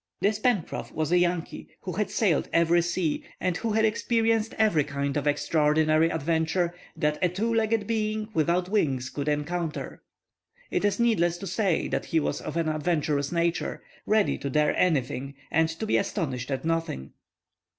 This Pencroff was a Yankee who had sailed every sea, and who had experienced every kind of extraordinary adventure that a two legged being without wings could encounter. It is needless to say that he was of an adventurous nature, ready to dare anything and to be astonished at nothing.